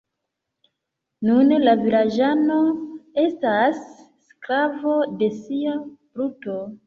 Nun la vilaĝano estas sklavo de sia bruto.